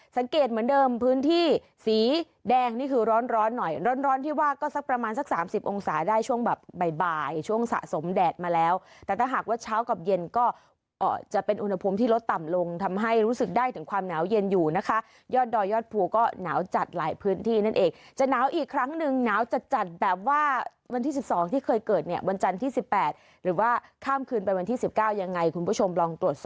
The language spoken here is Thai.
สีแดงนี่คือร้อนหน่อยร้อนที่ว่าก็สักประมาณสัก๓๐องศาได้ช่วงแบบบ่ายช่วงสะสมแดดมาแล้วแต่ถ้าหากว่าเช้ากับเย็นก็จะเป็นอุณหภูมิที่ลดต่ำลงทำให้รู้สึกได้ถึงความหนาวเย็นอยู่นะคะยอดดอยยอดภูก็หนาวจัดหลายพื้นที่นั่นเองจะหนาวอีกครั้งหนึ่งหนาวจัดแบบว่าวันที่๑๒ที่เคยเกิดเนี่ยว